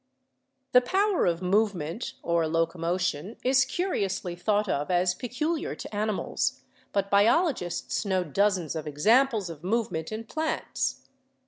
The power of movement or locomotion is curiously thought of as peculiar to animals, but biologists know dozens of examples of movement in plants.